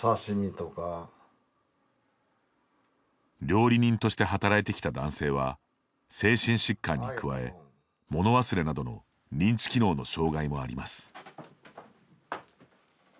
料理人として働いてきた男性は精神疾患に加え物忘れなどの認知機能の障害もあります。